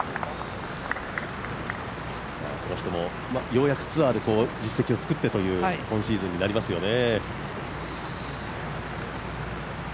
この人も、ようやくツアーで実績をつくってという今シーズンになりますよね。